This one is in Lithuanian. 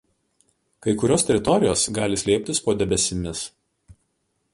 Kai kurios teritorijos gali slėptis po debesimis.